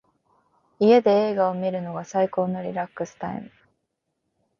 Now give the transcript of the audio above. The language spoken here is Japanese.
家で映画を観るのが最高のリラックスタイム。